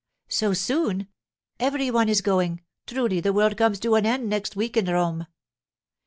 'So soon! Every one is going. Truly, the world comes to an end next week in Rome.